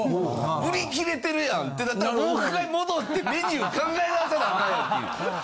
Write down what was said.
売り切れてるやん！ってなったらもっかい戻ってメニュー考え直さなアカンやんっていう。